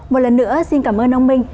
một lần nữa xin cảm ơn ông minh